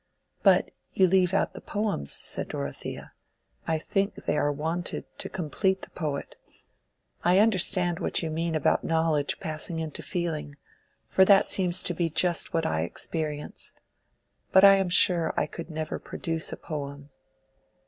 "But you leave out the poems," said Dorothea. "I think they are wanted to complete the poet. I understand what you mean about knowledge passing into feeling, for that seems to be just what I experience. But I am sure I could never produce a poem."